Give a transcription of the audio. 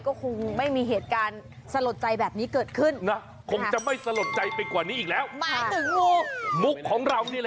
ก็คงไม่มีเหตุการณ์สลดใจแบบนี้เกิดขึ้น